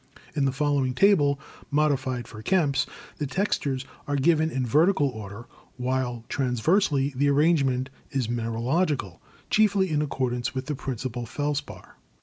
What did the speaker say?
In the following table (modified from Kemp's) the textures are given in vertical order, while transversely the arrangement is mineralogical, chiefly in accordance with the principal felspar.